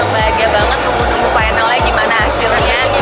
bahagia banget nunggu nunggu finalnya gimana hasilnya